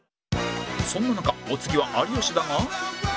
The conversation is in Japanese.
そんな中お次は有吉だが